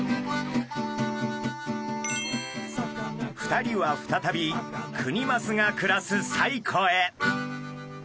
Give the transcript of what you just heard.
２人は再びクニマスが暮らす西湖へ。